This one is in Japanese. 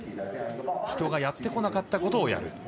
人がやってこなかったことをやる。